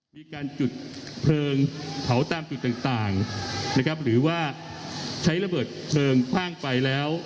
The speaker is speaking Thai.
มีการจุดเพลิงเผาตามจุดต่างนะครับหรือว่าใช้ระเบิดเพลิงคว่างไปแล้ว